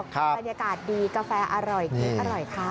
๐๙๔๙๗๙๒๖๖๙บรรยากาศดีกาแฟอร่อยขึ้นอร่อยค่ะครับ